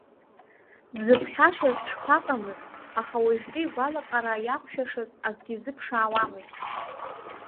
Дзыԥхьашаз шԥаҟамыз, аха уажәтәи игәалаҟаара иақәшәашаз акгьы изыԥшаауамызт.